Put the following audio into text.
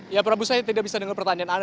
ya prabu saya tidak bisa dengar pertanyaan anda